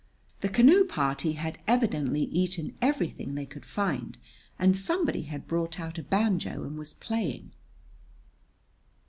The canoe party had evidently eaten everything they could find, and somebody had brought out a banjo and was playing.